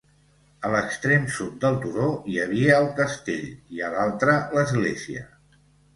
A l'extrem sud del turó hi havia el castell i a l'altre l'església.